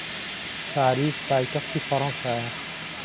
پاریس پایتەختی فەڕەنسایە.